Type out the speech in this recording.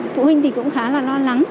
phụ huynh thì lo lắng